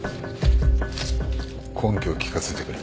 根拠を聞かせてくれ。